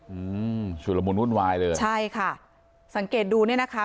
อืมชุดละมุนวุ่นวายเลยใช่ค่ะสังเกตดูเนี่ยนะคะ